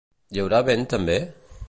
Hi haurà vent també?